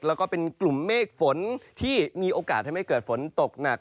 แล้วก็เป็นกลุ่มเมฆฝนที่มีโอกาสทำให้เกิดฝนตกหนัก